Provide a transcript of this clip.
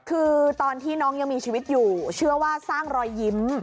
คือตอนที่น้องยังมีชีวิตอยู่เชื่อว่าสร้างรอยยิ้ม